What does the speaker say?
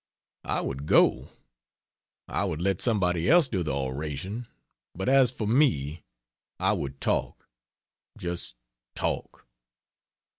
I would go. I would let somebody else do the oration, but, as for me, I would talk just talk.